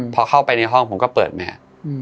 พอเข้าไปในห้องผมก็แทบมา